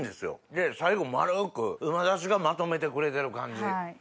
で最後丸く旨だしがまとめてくれてる感じ。